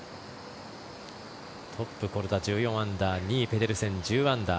トップはコルダ、１４アンダー２位ペデルセン、１３アンダー